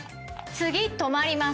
次止まります。